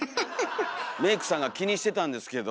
メークさんが気にしてたんですけど。